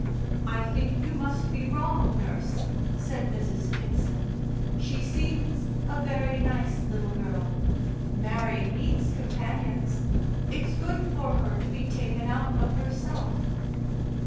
"I think you must be wrong, nurse," said Mrs. Kitson. "She seems a very nice little girl. Mary needs companions. It's good for her to be taken out of herself."